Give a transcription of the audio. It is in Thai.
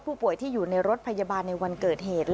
ผู้ป่วยที่อยู่ในรถพยาบาลในวันเกิดเหตุ